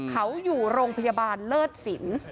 เขาอยู่โรงพยาบาลเลิศสิน